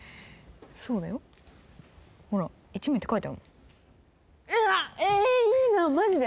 そうだよほら１名って書いてあるもんうわっえいいなマジで？